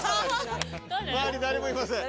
周り誰もいません。